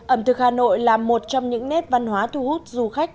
ẩm thực hà nội là một trong những nét văn hóa thu hút du khách